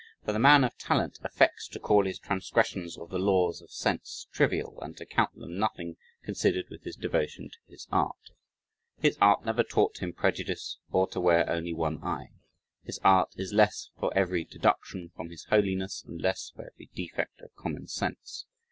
"For the man of talent affects to call his transgressions of the laws of sense trivial and to count them nothing considered with his devotion to his art." His art never taught him prejudice or to wear only one eye. "His art is less for every deduction from his holiness and less for every defect of common sense."